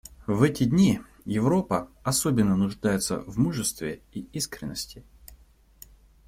В эти дни Европа особенно нуждается в мужество и искренности.